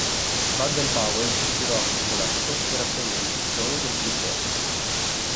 Baden-Powell si ispirò a questo laccio per appendere i tizzoni del "Wood Badge".